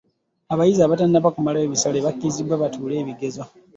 Abayizi abatannaba kumalayo bisale bakkirizibwe batuule ebibuuzo.